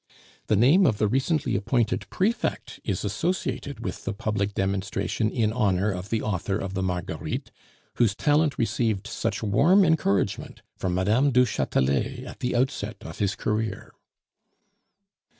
The name of the recently appointed prefect is associated with the public demonstration in honor of the author of the Marguerites, whose talent received such warm encouragement from Mme. du Chatelet at the outset of his career."